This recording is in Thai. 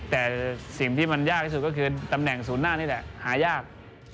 แต่สิ่งที่มันยากที่สุดก็คือตำแหน่งศูนย์หน้านี่แหละหายาก